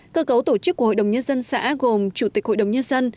cơ cấu tổ chức của hội đồng nhân dân xã gồm chủ tịch hội đồng nhân dân